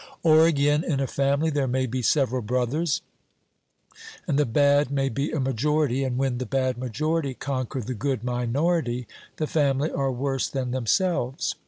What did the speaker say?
Or, again, in a family there may be several brothers, and the bad may be a majority; and when the bad majority conquer the good minority, the family are worse than themselves.